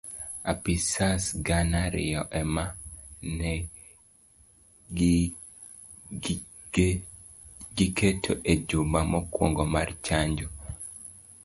Apisas gana ariyo emane gigeto ejuma mokuongo mar chanjo.